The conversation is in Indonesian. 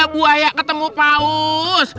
ada buaya ketemu paus